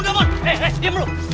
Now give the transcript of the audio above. eh diam lu